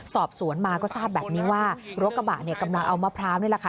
สอบสวนมาก็ทราบแบบนี้ว่ารถกระบะเนี่ยกำลังเอามะพร้าวนี่แหละค่ะ